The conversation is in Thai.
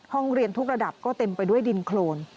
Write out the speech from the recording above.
ห้องเรียนทุกระดับก็เต็มไปด้วยดินโครน